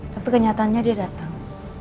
tapi kenyataannya dia datang